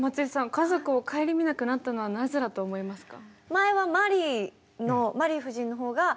家族を顧みなくなったのはなぜだと思いますか？